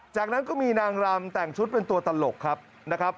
จากนั้นก็มีนางรำแต่งชุดเป็นตัวตลกครับนะครับ